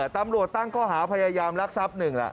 ตำรวจตั้งข้อหาพยายามรักทรัพย์หนึ่งล่ะ